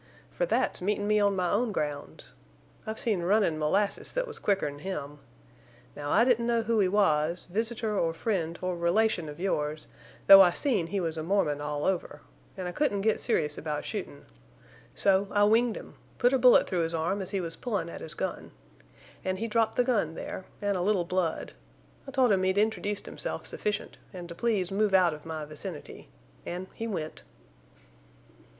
For that's meetin' me on my own grounds. I've seen runnin' molasses that was quicker'n him. Now I didn't know who he was, visitor or friend or relation of yours, though I seen he was a Mormon all over, an' I couldn't get serious about shootin'. So I winged him—put a bullet through his arm as he was pullin' at his gun. An' he dropped the gun there, an' a little blood. I told him he'd introduced himself sufficient, an' to please move out of my vicinity. An' he went."